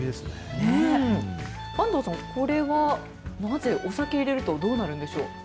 坂東さん、これはお酒を入れると、どうなるんでしょう。